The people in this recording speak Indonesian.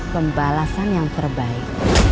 pembalasan yang terbaik